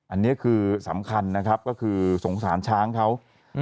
อันนี้คือสำคัญนะครับสมสารชางเขา